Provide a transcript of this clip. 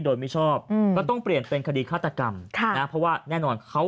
โดยไม่ชอบก็ต้องเปลี่ยนเป็นคดีฆาตกรรมค่ะนะเพราะว่าแน่นอนเขา